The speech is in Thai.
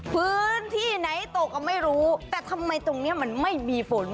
พื้นที่ไหนตกก็ไม่รู้แต่ทำไมตรงนี้มันไม่มีฝน